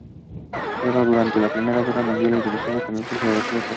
Peleó durante la Primera Guerra Mundial y al regresar se convirtió en ferviente pacifista.